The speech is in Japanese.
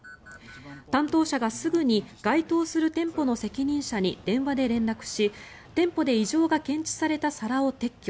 担当者がすぐに該当する店舗の責任者に電話で連絡し、店舗で異常が検知された皿を撤去。